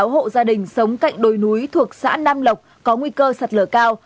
sáu hộ gia đình sống cạnh đồi núi thuộc xã nam lộc có nguy cơ sạt lở cao